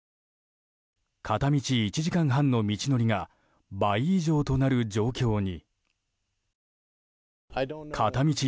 片道１時間半の道のりが倍以上となる状況に。